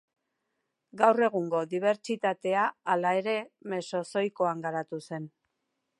Gaur egungo dibertsitatea, hala ere, Mesozoikoan garatu zen.